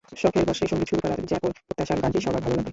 শখের বশে সংগীত শুরু করা জ্যাকোর প্রত্যাশা, গানটি সবার ভালো লাগবে।